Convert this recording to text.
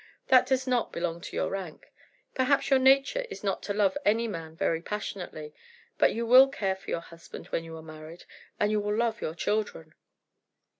That does not belong to your rank. Perhaps your nature is not to love any man very passionately: but you will care for your husband when you are married, and you will love your children."